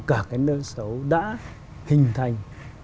cả cái nợ xấu đã hình thành